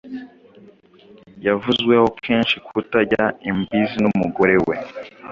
Yavuzweho kenshi kutajya imbizi n’umugore we,